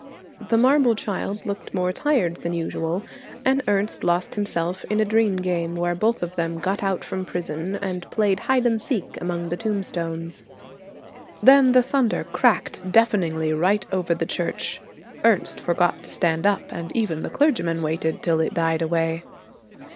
The marble child looked more tired than usual, and Ernest lost himself in a dream game where both of them got out from prison and played hide and seek among the tombstones. Then the thunder cracked deafeningly right over the church. Ernest forgot to stand up, and even the clergyman waited till it died away.